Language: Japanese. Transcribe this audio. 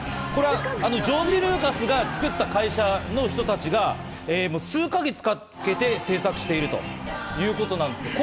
ジョージ・ルーカスが作った会社の人たちが数か月かけて制作しているということなんです。